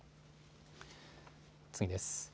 次です。